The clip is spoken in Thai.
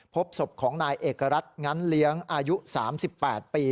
พบศพของนายเอกรัฐงั้นเลี้ยงอายุสามสิบแปดปี